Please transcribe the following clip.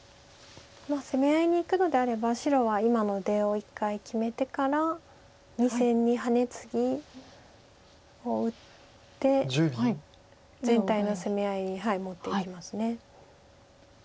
攻め合いにいくのであれば白は今の出を一回決めてから２線にハネツギを打って全体の攻め合いに持っていきます。